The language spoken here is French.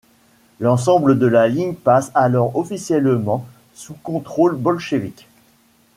L'ensemble de la ligne passe alors officiellement sous contrôle bolchevique.